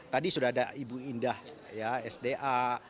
tadi sudah ada ibu indah sda